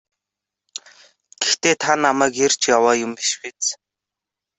Гэхдээ та намайг эрж яваа юм биш биз?